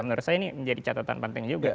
menurut saya ini menjadi catatan penting juga